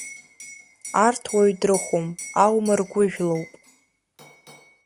Арҭ уаҩ дрыхәом, аума ргәыжәлоуп!